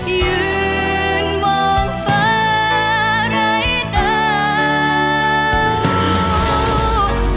ยืนมองเฝ้ารายดาว